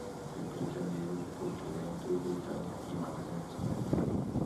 Fue pretendido por Juventus de Italia y Málaga de España.